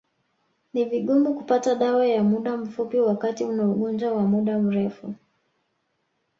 Ni vigumu kupata dawa ya muda mfupi wakati una ugonjwa wa muda mrefu